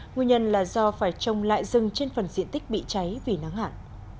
nguyên nhân là do phải trồng lại rừng trên phần diện tích bị cháy vì nắng hạn